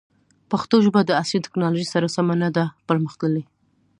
پښتو ژبه د عصري تکنالوژۍ سره سمه نه ده پرمختللې.